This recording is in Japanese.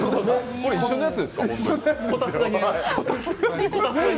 これ一緒のやつですか、本当に。